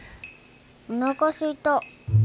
おなかすいた。